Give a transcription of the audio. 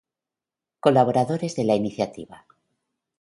Colaboradores de la iniciativa